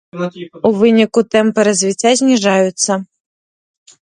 У выніку тэмпы развіцця зніжаюцца.